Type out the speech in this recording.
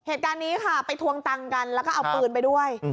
เหตุการณ์นี้ค่ะไปทวงตังค์กันแล้วก็เอาปืนไปด้วย